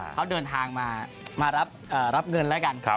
เขาเดินทางมารับเงินแล้วกัน